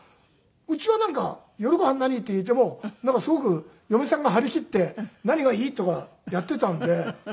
うちはなんか「夜ご飯何？」って言ってもすごく嫁さんが張り切って「何がいい？」とかやっていたんで。